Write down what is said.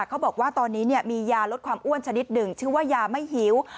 เขาบอกว่าตอนนี้มียาลดความอ้วนชนิดหนึ่งชื่อว่ายาไม่หิว